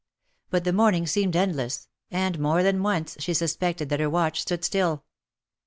But the morning seemed endless, and more than once she sus pected that her watch stood still.